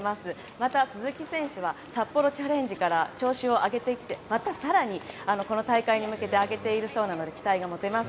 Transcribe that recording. また、鈴木選手は札幌チャレンジから調子を上げてきて、またさらに、この大会に向けて上げているそうなので期待が持てます。